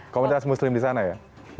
komunitas muslim di sana ya